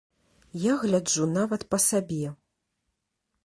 Я гляджу нават па сабе.